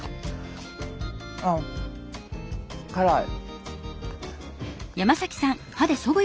あっ辛い。